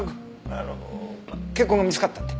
あの血痕が見つかったって？